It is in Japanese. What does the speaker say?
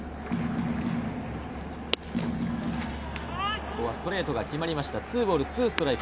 ここはストレートが決まりました。